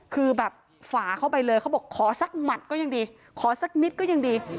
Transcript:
คือแบบฝาเข้าไปเลยเขาบอกขอสักหมัดก็ยังดีขอสักนิดก็ยังดี